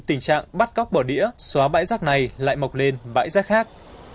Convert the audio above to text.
tình trạng bắt cóc bỏ đĩa xóa bãi rác này lại mọc lên bãi rác khác